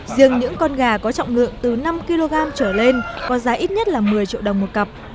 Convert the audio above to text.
riêng những con gà có trọng lượng từ năm kg trở lên có giá ít nhất là một mươi triệu đồng một cặp